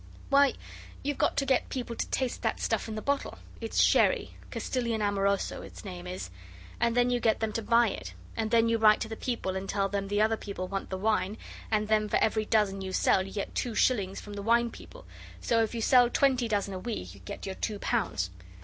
'Why, you've got to get people to taste that stuff in the bottle. It's sherry Castilian Amoroso its name is and then you get them to buy it, and then you write to the people and tell them the other people want the wine, and then for every dozen you sell you get two shillings from the wine people, so if you sell twenty dozen a week you get your two pounds.